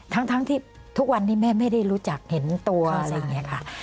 ทั้งที่ทุกวันนี้แม่ไม่ได้รู้จักเห็นตัวอะไรอย่างนี้ค่ะ